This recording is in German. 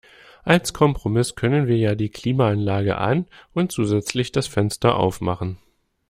Als Kompromiss können wir ja die Klimaanlage an und zusätzlich das Fenster auf machen.